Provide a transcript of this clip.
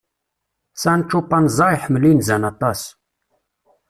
Sancu Panza iḥemmel inzan aṭas.